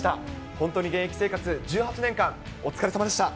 本当に現役生活１８年間、お疲れさまでした。